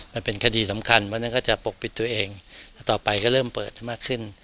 มันเป็นคดีสำคัญเพราะฉะนั้นก็จะปกปิดตัวเองแล้วต่อไปก็เริ่มเปิดมากขึ้น